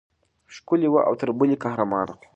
ښکلې وه او تر بلې قهرمانه.